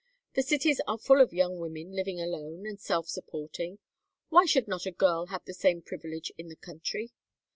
The cities are full of young women living alone, and self supporting. Why should not a girl have the same privilege in the country?